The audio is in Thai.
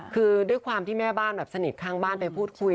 คือด้วยความที่แม่บ้านแบบสนิทข้างบ้านไปพูดคุย